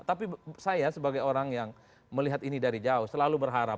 tapi saya sebagai orang yang melihat ini dari jauh selalu berharap